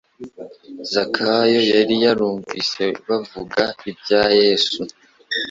Zakayo yari yarumvise bavuga ibya Yesu.